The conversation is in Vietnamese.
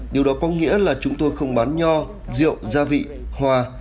điều đó có nghĩa là chúng tôi không bán nho rượu gia vị hoa